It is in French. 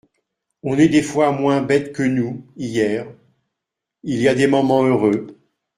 On est des fois moins bête que nous, hier … Il y a des moments heureux.